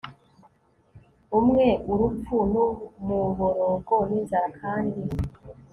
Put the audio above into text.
umwe urupfu n umuborogo n inzara kandi